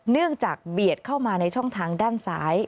เนื่องจากเบียดเข้ามาในช่องทางด้านซ้าย